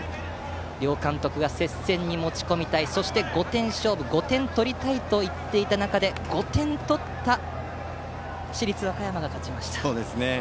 両監督が接戦に持ち込みたいそして、５点勝負５点取りたいと言っていた中で５点取った市立和歌山が勝ちました。